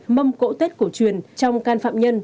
mâm cỗ tết cổ truyền trong can phạm nhân